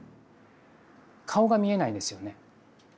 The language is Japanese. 顔が見えないですよね。